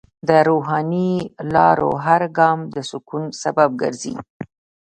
د روحاني لارو هر ګام د سکون سبب ګرځي.